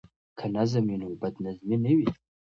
که نظم وي نو بد نظمي نه وي.